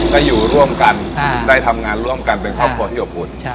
ได้อยู่ร่วมกันได้ทำงานร่วมกันเป็นครอบครัวที่อบอุ่น